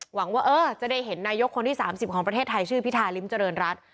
หวังว่าจะได้เห็นนายกคนที่๓๐ของประเทศไทยชื่อพิธาริมเจริญรัฐ